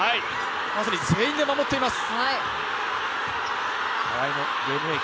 まさに全員で守っています。